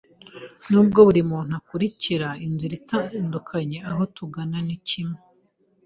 Nubwo buri muntu akurikira inzira itandukanye, aho tugana ni kimwe.